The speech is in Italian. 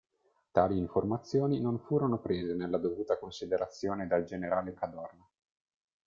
Tali informazioni non furono prese nella dovuta considerazione dal generale Cadorna.